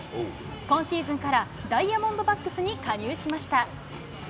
今シーズンからダイヤモンドバックスに加入しました。